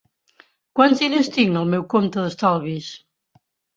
Quants diners tinc al meu compte d'estalvis?